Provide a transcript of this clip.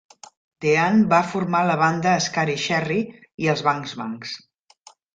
Deane va formar la banda Scary Cherry i els Bang Bangs.